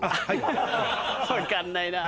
分かんないなぁ。